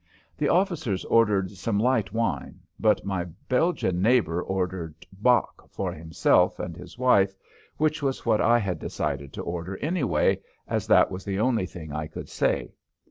The officers ordered some light wine, but my Belgian neighbor ordered "Bock" for himself and his wife, which was what I had decided to order, anyway, as that was the only thing I could say.